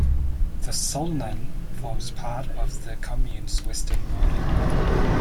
The Solnan forms part of the commune's western border.